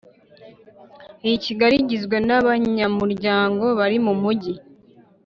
iy I Kigali igizwe n abanyamuryango bari mumugi